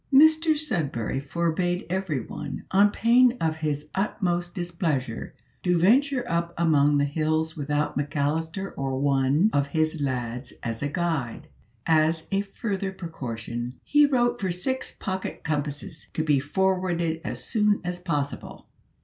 Mr Sudberry forbade everyone, on pain of his utmost displeasure, to venture up among the hills without McAllister or one of his lads as a guide. As a further precaution, he wrote for six pocket compasses to be forwarded as soon as possible.